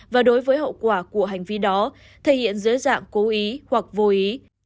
và đối với hậu quả của hành vi đó thể hiện dưới dạng cố ý hoặc vô ý